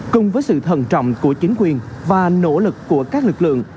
cùng với sự thần trọng của chính quyền và nỗ lực của các lực lượng